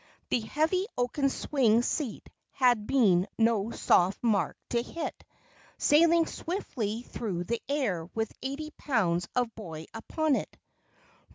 The heavy oaken swing seat had been no soft mark to hit, sailing swiftly through the air with eighty pounds of boy upon it.